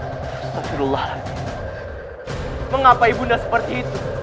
nah mengapa ibunda seperti itu